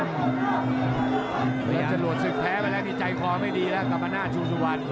จะหลวดสึกแพ้ไปแล้วในใจคอไม่ดีแล้วกับอาณาจูชวัน